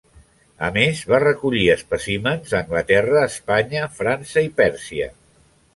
A més va recollir espècimens a Anglaterra, Espanya, França i Pèrsia.